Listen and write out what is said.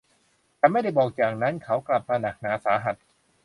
ฉันไม่ได้บอกอย่างนั้นเขากลับมาหนักหนาสาหัส